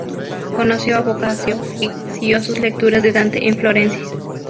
Conoció a Boccaccio y siguió sus lecturas de Dante en Florencia.